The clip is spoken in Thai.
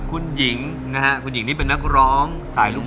คุณหญิงนะฮะคุณหญิงนี่เป็นนักร้องสายลุง